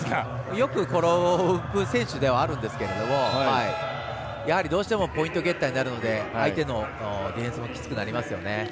よく転ぶ選手ではあるんですけどどうしてもポイントゲッターになるので相手のディフェンスもきつくなりますよね。